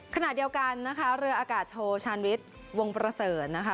ขณะเดียวกันเรืออากาศโชว์ชาญวิทย์วงประเสริม